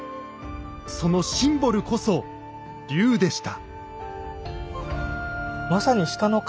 そのシンボルこそ龍でした。